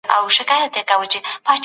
ایا د غاښونو پاک ساتل د خولې ناروغۍ کموي؟